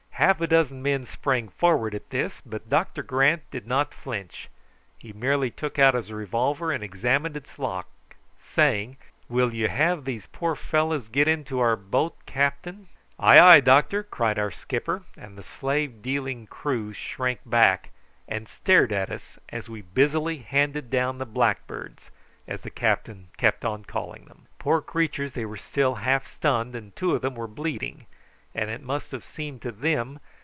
Half a dozen men sprang forward at this, but Doctor Grant did not flinch, he merely took out his revolver and examined its lock, saying: "Will you have these poor fellows got into our boat, captain?" "Ay, ay, doctor," cried our skipper; and the slave dealing crew shrank back and stared as we busily handed down the blackbirds, as the captain kept on calling them. Poor creatures, they were still half stunned and two of them were bleeding, and it must have seemed to then?